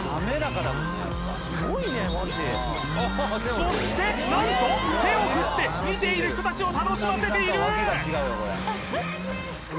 そしてなんと手を振って見ている人達を楽しませている！